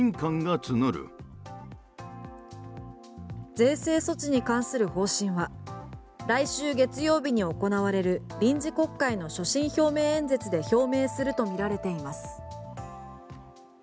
税制措置に関する方針は来週月曜日に行われる臨時国会の所信表明演説で表明するとみられています。